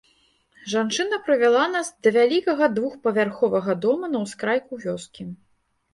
Жанчына прывяла нас да вялікага двухпавярховага дома на ўскрайку вёскі.